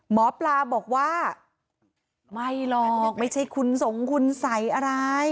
หมอปลาบอกว่าไม่หรอกไม่ใช่คุณสงคุณสัยอะไร